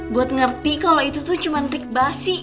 buat ngerti kalau itu tuh cuma trik basi